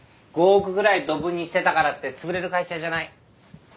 ５億ぐらいどぶに捨てたからってつぶれる会社じゃない。